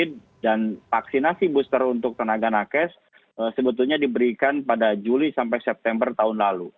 dan vaksinasi booster untuk tenaga nakes sebetulnya diberikan pada juli sampai september tahun lalu